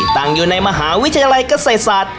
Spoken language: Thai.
ตั้งอยู่ในมหาวิทยาลัยเกษตรศาสตร์